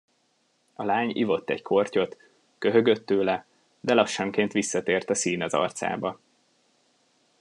A lány ivott egy kortyot, köhögött tőle, de lassanként visszatért a szín az arcába.